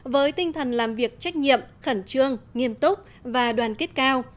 với tinh thần làm việc trách nhiệm khẩn trương nghiêm túc và đoàn kết cao